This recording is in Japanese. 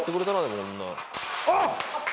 あっ！